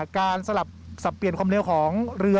สลับสับเปลี่ยนความเร็วของเรือ